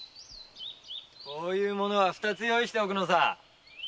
こういうものは二つ用意しておくのさ。